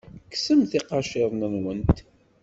Kksemt iqaciren-nwent.